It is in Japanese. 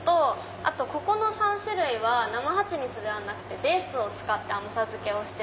あとここの３種類は生蜂蜜ではなくてデーツを使って甘さ付けを。